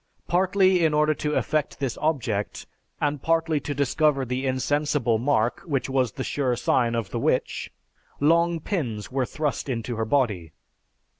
Partly in order to effect this object, and partly to discover the insensible mark which was the sure sign of a witch, long pins were thrust into her body.